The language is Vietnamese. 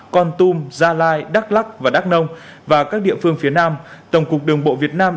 con tum gia lai đắk lắc và đắk nông và các địa phương phía nam tổng cục đường bộ việt nam